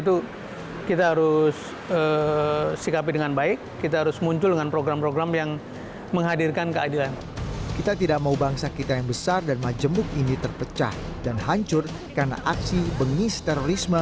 dan kita harus memperbaiki program program ini untuk menghadirkan keadilan itu